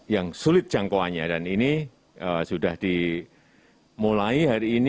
yang sulit jangkauannya dan ini sudah dimulai hari ini